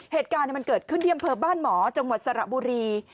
เหตุการณ์มันเกิดขึ้นที่อำเภอบ้านหมอจังหวัดสระบุรี